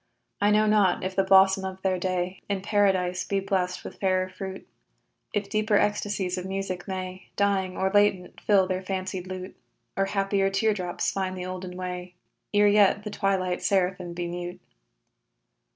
I know not if the blossom of their day, In Paradise, be blessed with fairer fruit; If deeper ecstasies of music may, Dying or latent, fill their fancied lute, Or happier tear drops find the olden way, Ere yet the twilight seraphim be mute.